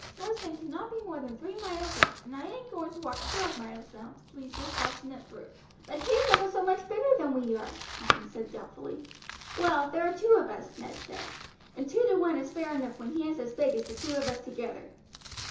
Marsden cannot be more than three miles off, and I ain't going to walk twelve miles round to please this obstinate brute." "But he is ever so much bigger than we are," Tompkins said doubtfully. "Well, there are two of us," Ned said, "and two to one is fair enough when he is as big as the two of us together."